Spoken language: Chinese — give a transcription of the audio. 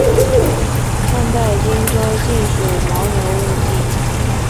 汉代今州境属牦牛羌地。